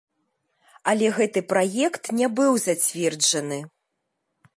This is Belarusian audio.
Але гэты праект не быў зацверджаны.